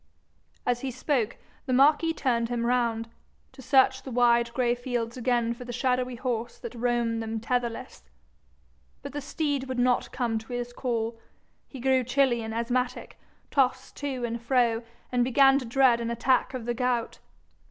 As he spoke the marquis turned him round, to search the wide gray fields again for the shadowy horse that roamed them tetherless. But the steed would not come to his call; he grew chilly and asthmatic, tossed to and fro, and began to dread an attack of the gout.